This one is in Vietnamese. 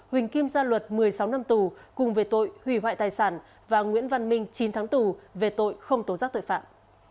huỳnh kim gia luật một mươi sáu năm tù cùng về tội hủy hoại tài sản và nguyễn văn minh chín tháng tù về tội không tố giác tội phạm